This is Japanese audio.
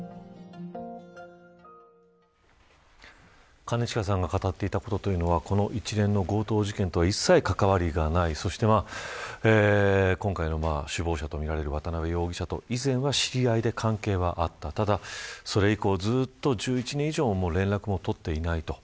兼近さんが語っていたということのはこの一連の強盗事件とは一切関わりがないそして今回の首謀者とみられる渡辺容疑者と以前は知人で関係はあったただ、それ以降１０、１１年以上連絡も取っていないと。